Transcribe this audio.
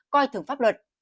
coi thường pháp luật